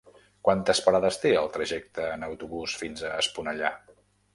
Quantes parades té el trajecte en autobús fins a Esponellà?